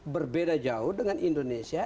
berbeda jauh dengan indonesia